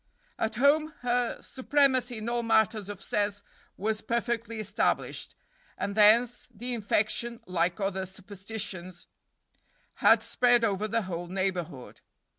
At home her supremacy in all matters of sense was perfectly established; and thence the infection, like other superstitions, had spread over the whole neighborhood.